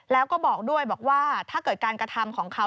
แล้วก็บอกด้วยบอกว่าถ้าเกิดการกระทำของเขา